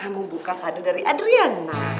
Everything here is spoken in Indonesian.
aku buka kadu dari adriana